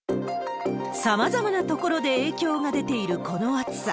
さまざまなところで影響が出ているこの暑さ。